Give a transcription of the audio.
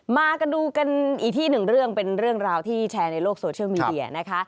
มาดูกันดูกันอีกที่หนึ่งเรื่องเป็นเรื่องราวที่แชร์ในโลกโซเชียลมีเดียนะคะ